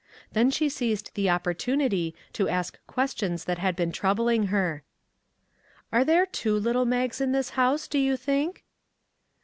Then she seized the opportunity to ask questions that had been puzzling her. " Are there two little Mags in this house, do you think?